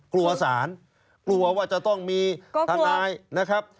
กลัวสารกลัวว่าจะต้องมีทนายนะครับ